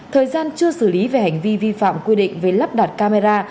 thời gian chưa xử lý về hành vi vi phạm quy định về lắp đặt camera